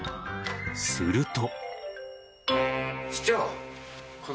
すると。